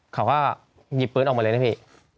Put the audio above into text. เขาก็หยิบปืนออกมาเลยนะพี่